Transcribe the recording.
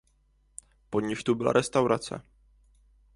Po nich tu byla restaurace.